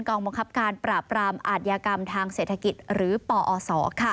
บังคับการปราบรามอาทยากรรมทางเศรษฐกิจหรือปอศ